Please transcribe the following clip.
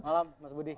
malam mas budi